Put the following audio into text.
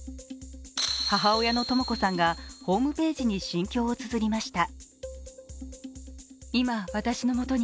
母親のとも子さんがホームページに心境をつづりました。